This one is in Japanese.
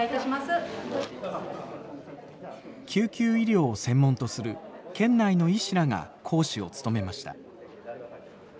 救急医療を専門とする県内の医師らが講師を務めました。